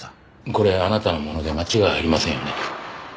これあなたのもので間違いありませんよね？